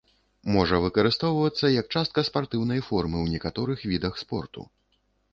Можа выкарыстоўвацца як частка спартыўнай формы ў некаторых відах спорту.